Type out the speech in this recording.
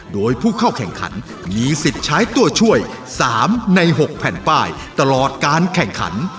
โดยผู้เข้าแข่งขันมีสิทธิ์ใช้ตัวช่วย๓ใน๖แผ่นป้ายตลอดการแข่งขัน